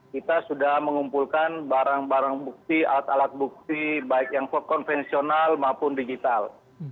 kita sudah mengumpulkan barang barang bukti alat alat bukti baik yang konvensional maupun digital